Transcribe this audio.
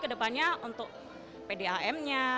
kedepannya untuk pdam nya